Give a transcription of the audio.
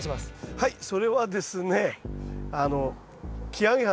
はいそれはですねあ。